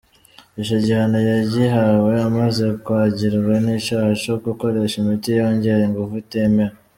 Ico gihano yagihawe amaze kwagirwa n'icaha co gukoresha imiti yongera inguvu itemewe.